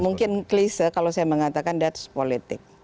mungkin klise kalau saya mengatakan itu politik